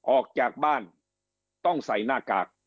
ออกจากบ้านต้องใส่หน้ากาก